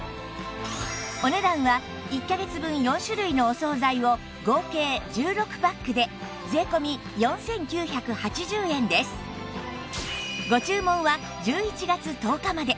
お値段は１カ月分４種類のお惣菜を合計１６パックで税込４９８０円ですとなります